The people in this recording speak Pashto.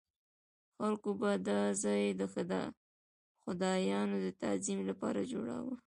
خلکو به دا ځای د خدایانو د تعظیم لپاره جوړاوه.